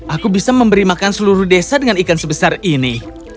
aku bisa memberi makan seluruh desa dengan ikan sebesar ini